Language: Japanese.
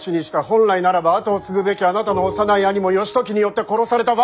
本来ならば跡を継ぐべきあなたの幼い兄も義時によって殺された。